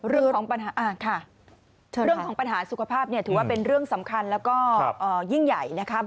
เรื่องของปัญหาสุขภาพถือว่าเป็นเรื่องสำคัญและยิ่งใหญ่นะครับ